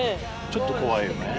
ちょっと怖いよね。